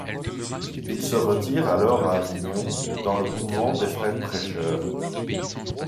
Il se retire alors à Avignon, dans le couvent des frères prêcheurs.